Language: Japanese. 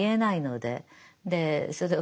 でそれを